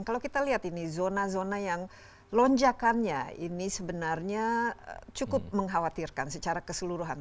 kalau kita lihat ini zona zona yang lonjakannya ini sebenarnya cukup mengkhawatirkan secara keseluruhan